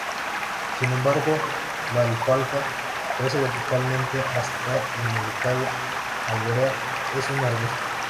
Sin embargo, la alfalfa crece verticalmente hasta y "Medicago arborea" es un arbusto.